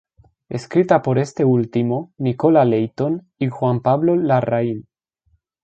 Escrita por este último, Nicola Leighton y Juan Pablo Larraín.